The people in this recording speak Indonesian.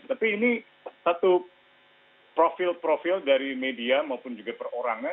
tapi ini satu profil profil dari media maupun juga perorangan